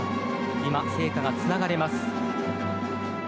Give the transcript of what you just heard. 今、聖火がつながれます。